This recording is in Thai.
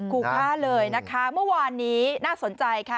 ขู่ฆ่าเลยนะคะเมื่อวานนี้น่าสนใจค่ะ